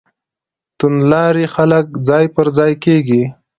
توندلاري خلک ځای پر ځای کېږي.